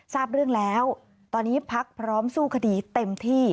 ทราบเรื่องแล้วตอนนี้พักพร้อมสู้คดีเต็มที่